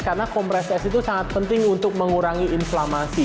karena compress es itu sangat penting untuk mengurangi inflamasi